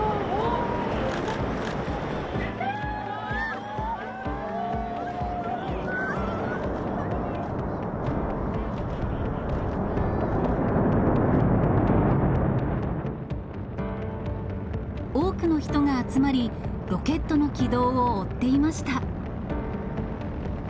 すごい！多くの人が集まり、ロケットの軌道を追っていました。